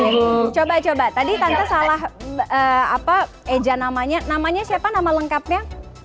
oke coba coba tadi tante salah eja namanya siapa nama lengkapnya